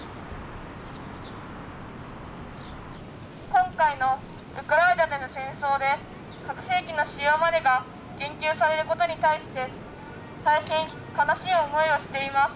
今回のウクライナでの戦争で核兵器の使用までが言及されることに対して大変悲しい思いをしています。